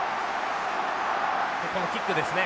ここもキックですね。